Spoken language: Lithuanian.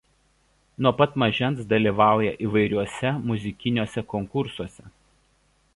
Nuo pat mažens dalyvauja įvairiuose muzikiniuose konkursuose.